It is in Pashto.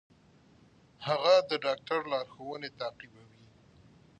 هغه د ډاکټر لارښوونې تعقیبوي.